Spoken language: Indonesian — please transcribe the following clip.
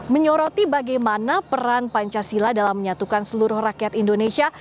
menyoroti bagaimana peran pancasila dalam menyatukan seluruh rakyat indonesia